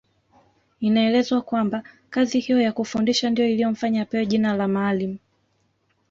Inaelezwa kwamba kazi hiyo ya kufundisha ndiyo iliyomfanya apewe jina la Maalim